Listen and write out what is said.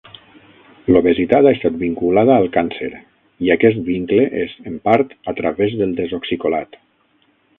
L'obesitat ha estat vinculada al càncer, i aquest vincle és, en part, a través del desoxicolat.